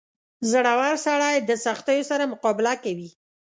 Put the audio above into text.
• زړور سړی د سختیو سره مقابله کوي.